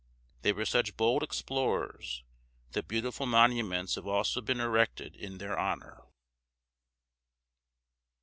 They were such bold explorers that beautiful monuments have also been erected in their honor.